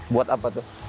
buat apa itu